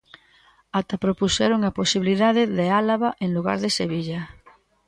Ata propuxeron a posibilidade de Álava en lugar de Sevilla.